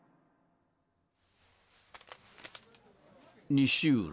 西浦。